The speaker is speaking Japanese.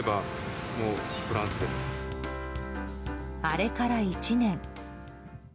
あれから１年。